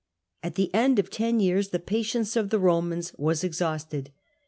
At the end of ten years the patience of the Romans was exhausted.